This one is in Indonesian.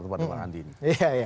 teman teman andi ini